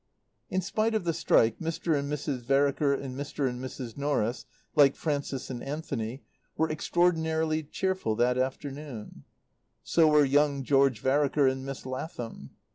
In spite of the strike, Mr. and Mrs. Vereker and Mr. and Mrs. Norris, like Frances and Anthony, were extraordinarily cheerful that afternoon. So were young George Vereker and Miss Lathom.